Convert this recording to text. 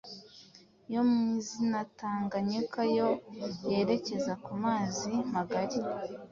yo mu izina Tanganyika yo yerekeza ku mazi magari